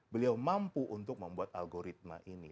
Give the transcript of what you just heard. beliau mampu untuk membuat algoritma ini